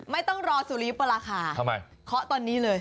ไม่ต้องรอสุริปราคาเคาะตอนนี้เลย